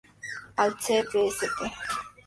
Al este de St.